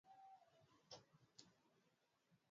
Hii ina maana iwapo unataka kuvunja historia